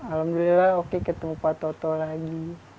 alhamdulillah oke ketemu pak toto lagi